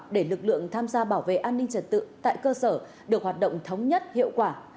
để lực lượng tham gia bảo vệ an ninh trật tự tại cơ sở được hoạt động thống nhất hiệu quả